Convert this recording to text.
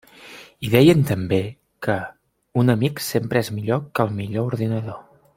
I deien també que «un amic sempre és millor que el millor ordinador».